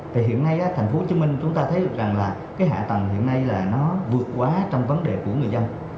thì hiện nay thành phố hồ chí minh chúng ta thấy được rằng là cái hạ tầng hiện nay là nó vượt quá trong vấn đề của người dân